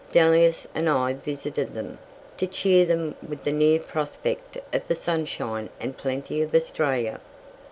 Delius and I visited them, to cheer them with the near prospect of the sunshine and plenty of Australia.